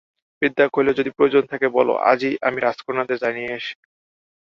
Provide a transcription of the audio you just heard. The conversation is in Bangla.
বৃদ্ধা কহিল যদি প্রয়োজন থাকে বল, আজিই আমি রাজকন্যাকে জানাইয়া আসি।